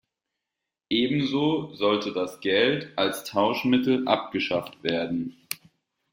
Ebenso sollte das Geld als Tauschmittel abgeschafft werden.